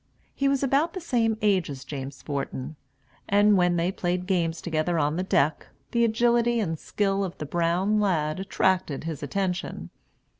He was about the same age as James Forten; and when they played games together on the deck, the agility and skill of the brown lad attracted his attention.